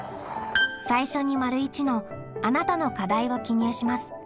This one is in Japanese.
最初に①の「あなたの課題」を記入します。